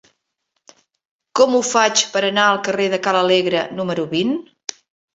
Com ho faig per anar al carrer de Ca l'Alegre número vint?